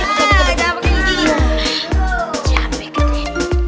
jangan pakai gini gini